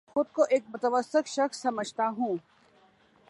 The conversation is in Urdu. خود کو ایک متوسط شخص سمجھتا ہوں